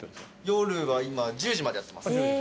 夜は今１０時までやってます。